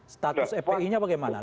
status fpi nya bagaimana